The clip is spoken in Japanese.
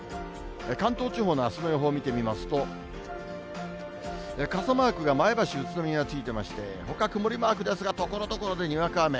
関東地方のあすの予報を見てみますと、傘マークが前橋、宇都宮についてまして、ほか曇りマークですが、ところどころでにわか雨。